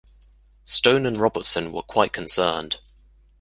Stone and Robertson were quite concerned.